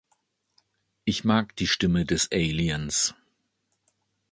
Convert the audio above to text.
Ich mag die Stimme des Aliens.